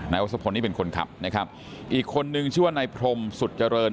วัศพลนี่เป็นคนขับนะครับอีกคนนึงชื่อว่านายพรมสุดเจริญ